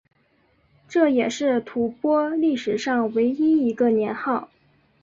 这也是吐蕃历史上唯一一个年号。